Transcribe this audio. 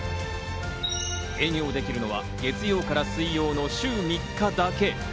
営業できるのは月曜から水曜の週３日だけ。